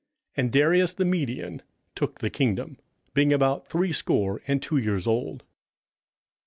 27:005:031 And Darius the Median took the kingdom, being about threescore and two years old.